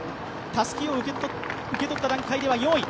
たすきを受け取った段階では４位。